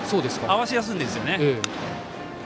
合わせやすいんです。